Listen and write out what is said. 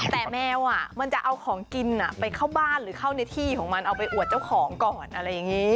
แต่แมวมันจะเอาของกินไปเข้าบ้านหรือเข้าในที่ของมันเอาไปอวดเจ้าของก่อนอะไรอย่างนี้